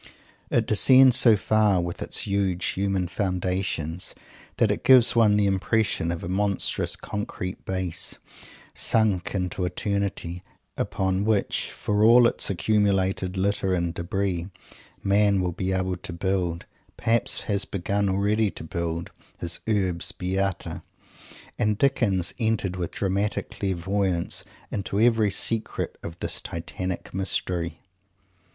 It descends so far, with its huge human foundations, that it gives one the impression of a monstrous concrete Base, sunk into eternity, upon which, for all its accumulated litter and debris, man will be able to build, perhaps has begun already, to build, his Urbs Beata. And Dickens entered with dramatic clairvoyance into every secret of this Titanic mystery.